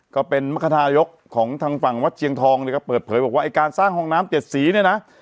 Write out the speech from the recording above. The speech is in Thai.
ก็เป็นมรรคทายกของทางฝั่งวัดเชียงทองเนี่ยก็เปิดเผยบอกว่าไอ้การสร้างห้องน้ำเจ็ดสีเนี่ยนะ